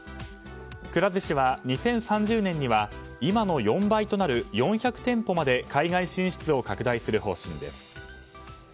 くら寿司は、２０３０年には今の４倍となる４００店舗まで海外進出を拡大する方針です。